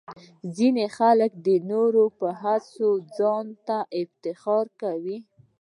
ځینې خلک د نورو په هڅو ځان ته افتخار کوي.